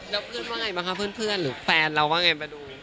แล้วเพื่อนว่าไงบ้างคะเพื่อนหรือแฟนเราว่าไงมาดู